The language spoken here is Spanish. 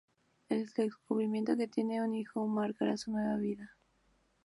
El descubrimiento de que tiene un hijo marcará su nueva vida.